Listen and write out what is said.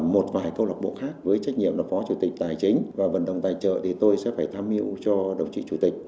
một vài câu lạc bộ khác với trách nhiệm là phó chủ tịch tài chính và vận động tài trợ thì tôi sẽ phải tham mưu cho đồng chí chủ tịch